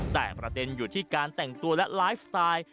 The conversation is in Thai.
แต่ประเด็นอยู่ที่การแต่งตัวและไลฟ์สไตล์